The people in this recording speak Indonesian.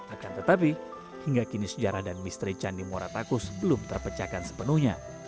akan tetapi hingga kini sejarah dan misteri candi muaratakus belum terpecahkan sepenuhnya